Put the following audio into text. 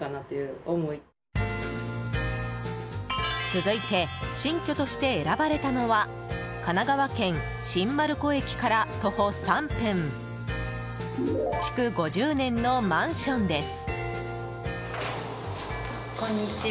続いて新居として選ばれたのは神奈川県新丸子駅から徒歩３分築５０年のマンションです。